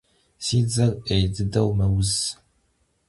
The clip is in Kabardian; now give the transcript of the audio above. Si dzer 'êy dıdeu meuz.